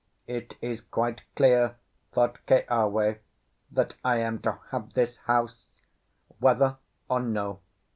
"It is quite clear," thought Keawe, "that I am to have this house, whether or no.